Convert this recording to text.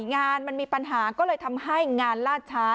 งานมันมีปัญหาก็เลยทำให้งานล่าช้า